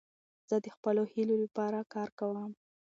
زه د خپلو هیلو له پاره کار کوم.